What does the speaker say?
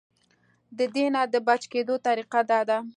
د دې نه د بچ کېدو طريقه دا ده -